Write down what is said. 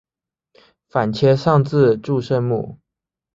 反切上字注声母。